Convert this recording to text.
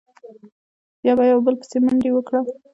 بیا به یې بل بسې منډه وکړه.